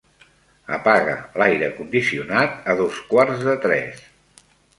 Apaga l'aire condicionat a dos quarts de tres.